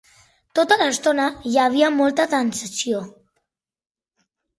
Tota l'estona hi havia molta tensió.